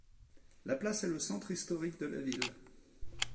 La place est le centre historique de la ville.